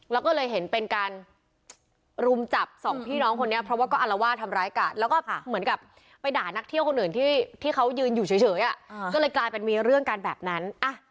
แล้วก็เลยเห็นเป็นการรุมจับสองพี่น้องคนนี้เพราะว่าก็อารวาสทำร้ายกาดแล้วก็เหมือนกับไปด่านักเที่ยวคนอื่นที่เขายืนอยู่เฉยก็เลยกลายเป็นมีเรื่องกันแบบนั้น